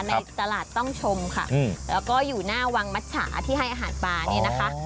ในตลาดต้องชมค่ะแล้วก็อยู่หน้าวังมัชฉาที่ให้อาหารปลาเนี่ยนะคะ